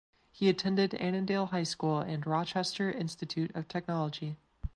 He attended Annandale High School and Rochester Institute of Technology.